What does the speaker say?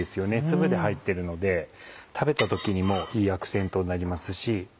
粒で入ってるので食べた時にもいいアクセントになりますし。